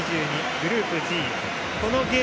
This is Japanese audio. グループＧ